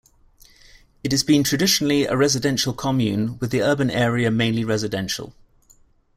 It has been traditionally a residential commune, with the urban area mainly residential.